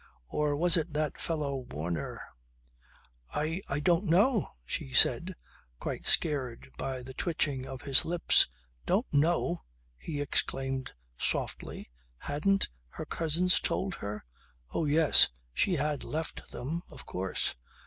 Or was it that fellow Warner ..." "I I don't know," she said quite scared by the twitching of his lips. "Don't know!" he exclaimed softly. Hadn't her cousin told her? Oh yes. She had left them of course.